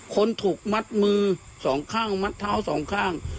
คนถูกมัดมือสองข้างมัดเท้าสองข้าง